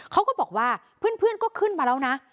เขาก็บอกว่าเพื่อนก็ขึ้นมาแล้วนะ